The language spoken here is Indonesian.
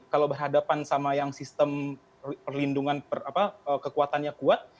kalau berhadapan sama yang sistem perlindungan kekuatannya kuat